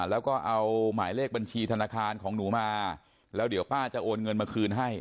แล้วก็เอาหมายเลขบัญชีธนาคารของหนูมาแล้วเดี๋ยวป้าจะโอนเงินมาคืนให้